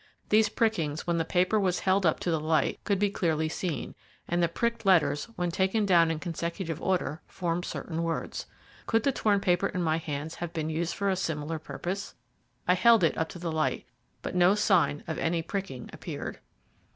These prickings, when the paper was held up to the light, could be clearly seen, and the pricked letters, when taken down in consecutive order, formed certain words. Could the torn paper in my hands have been used for a similar purpose? I held it up to the light, but no sign of any pricking appeared.